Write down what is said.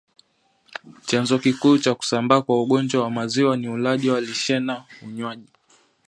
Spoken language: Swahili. Chanzo kikuu cha kusambaa kwa ugonjwa wa maziwa ni ulaji wa lishena unywaji